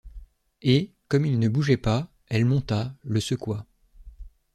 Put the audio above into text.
Et, comme il ne bougeait pas, elle monta, le secoua.